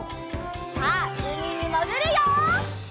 さあうみにもぐるよ！